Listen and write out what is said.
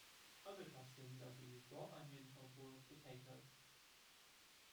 Other customs are to use raw onion, or boiled potato.